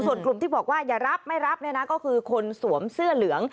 ส่วนกลุ่มที่บอกว่าอย่ารับไม่รับเนี่ยนะก็คือคนสวมเสื้อเหลือง